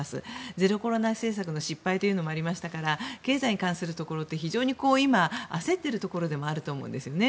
ゼロコロナ政策の失敗もありましたから経済に関するところって非常に焦っているところでもあると思うんですね。